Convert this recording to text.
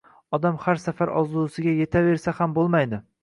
Odam har safar orzusiga yetaversa ham bo‘lmaydi.